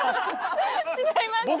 違います。